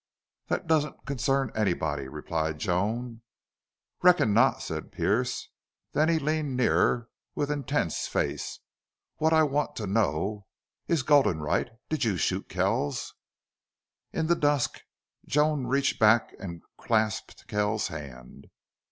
"That doesn't concern anybody," replied Joan. "Reckon not," said Pearce. Then he leaned nearer with intense face. "What I want to know is Gulden right? Did you shoot Kells?" In the dusk Joan reached back and clasped Kells hand.